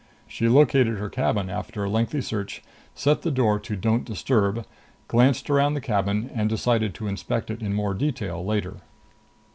She located her cabin after a lengthy search, set the door to don't disturb, glanced around the cabin and decided to inspect it in more detail later.